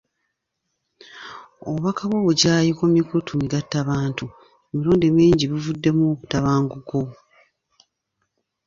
Obubaka bw'obukyayi ku mikutu gi mugattabantu emirundi mingi buvuddemu obutabanguko.